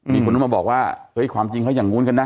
มีคนมาบอกว่าความจริงเขาอย่างนู้นกันนะ